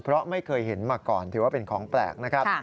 เพราะไม่เคยเห็นมาก่อนถือว่าเป็นของแปลกนะครับ